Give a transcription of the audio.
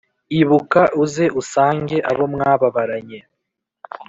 Ibuka uze usange abo mwababaranye